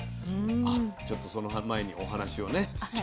ちょっとその前にお話をね。